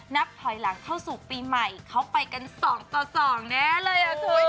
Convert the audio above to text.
นับพลอยหลังเข้าสู่ปีใหม่เข้าไปกันสองต่อสองแน่เลยอะคือ